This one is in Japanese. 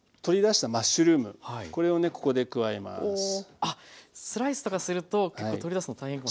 あっスライスとかすると結構取り出すの大変かも。